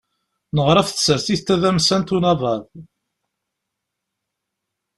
Neɣra ɣef tsertit tadamsant unabaḍ.